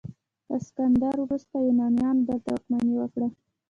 د اسکندر وروسته یونانیانو دلته واکمني وکړه